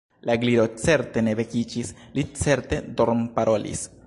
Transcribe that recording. La Gliro certe ne vekiĝis, li certe dormparolis.